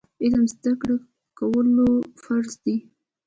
علم زده کول فرض دي